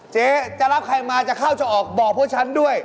เจ๊จะรับใครมาจะเข้าจะออกบอกพวกฉันด้วย